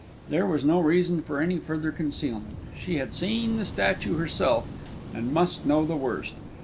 There was no reason for any further concealment: she had seen the statue herself, and must know the worst.